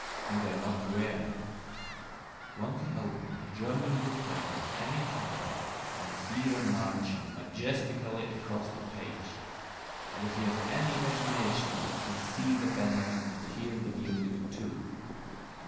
And they are not rare; one can open a German newspaper at any time and see them marching majestically across the page and if he has any imagination he can see the banners and hear the music, too.